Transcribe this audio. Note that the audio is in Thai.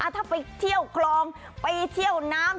ถ้าไปเที่ยวคลองไปเที่ยวน้ำ